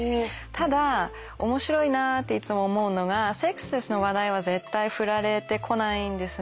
ただ面白いなっていつも思うのがセックスレスの話題は絶対振られてこないんですね。